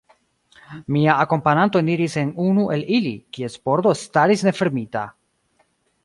Mia akompananto eniris en unu el ili, kies pordo staris nefermita.